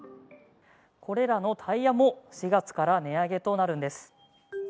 これらのタイヤも４月から値上げとなります。